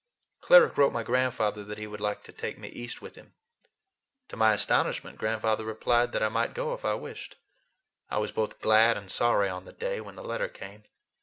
Cleric wrote my grandfather that he would like to take me East with him. To my astonishment, grandfather replied that I might go if I wished. I was both glad and sorry on the day when the letter came.